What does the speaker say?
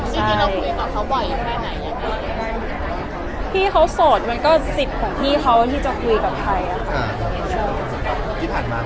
จริงเราก็คุยกับเค้าบ่อยยังไหนยังไหน